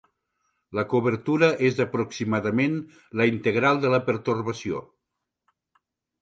La cobertura és aproximadament la integral de la pertorbació.